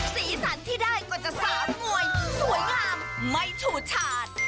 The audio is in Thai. สีสันที่ได้ก็จะ๓มวยสวยงามไม่ฉูดฉาด